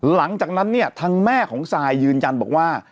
หลังจากนั้นเนี่ยทางแม่ของซายยืนยันบอกว่า